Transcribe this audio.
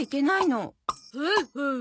ほうほう。